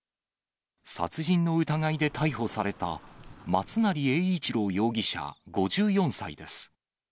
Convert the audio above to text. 殺人の疑いで逮捕された松成英一郎容疑者５４歳です。